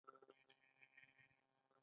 ښځې د شرابو غوړپ راواخیست.